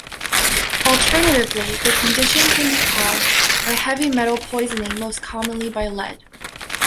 Alternatively, the condition can be caused by heavy metal poisoning most commonly by lead.